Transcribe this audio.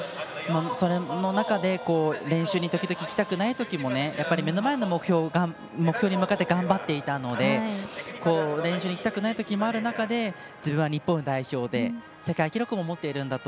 その中で、練習に時々行きたくないときもやっぱり目の前の目標に向かって頑張っていたので練習に行きたくないときもある中で自分は日本代表で世界記録も持っているんだと。